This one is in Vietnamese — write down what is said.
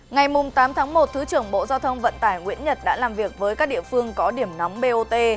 ngày tám tháng một thứ trưởng bộ giao thông vận tải nguyễn nhật đã làm việc với các địa phương có điểm nóng bot